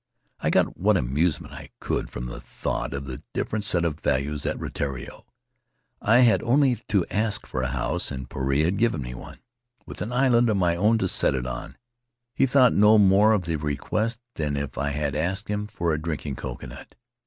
I got what amusement I could from the thought of the different set of values at Rutiaro. I had only to ask for a house, and Puarei had given me one, with an island of my own to set it on. He thought no more of the request than if I had asked him for a drinking coconut.